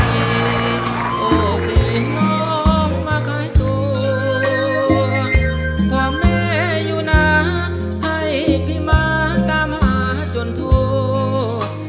สีมองมาคลายตัวพ่อแม่อยู่หน้าให้พี่มาตามหาจนถูก